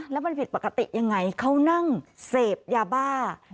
แล้วมันผิดปกติยังไงเขานั่งเสพยาบ้า